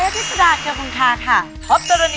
ครอบตรณีนุษย์ประสุทธนาวิทยาลัย